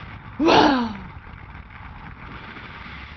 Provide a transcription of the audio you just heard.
Over time, Al-Biruni won the welcome of Hindu scholars.